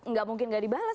enggak mungkin tidak dibalas